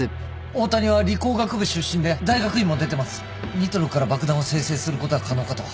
ニトロから爆弾を精製することは可能かと。